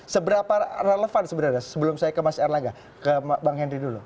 seberapa relevan sebenarnya sebelum saya ke mas erlangga ke bang henry dulu